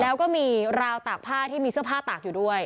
แล้วก็มีราวตากผ้าที่มีเสื้อผ้าตากอยู่ด้วย